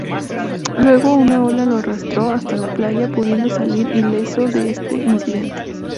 Luego una ola lo arrastró hasta la playa, pudiendo salir ileso de este incidente.